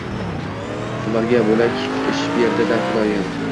Bularga bo‘lak ish ber-da, xudoyim.